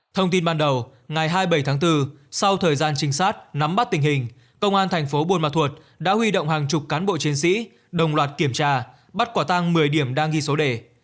thông tin ban đầu ngày hai mươi bảy tháng bốn sau thời gian trinh sát nắm bắt tình hình công an thành phố buôn ma thuột đã huy động hàng chục cán bộ chiến sĩ đồng loạt kiểm tra bắt quả tăng một mươi điểm đang ghi số đề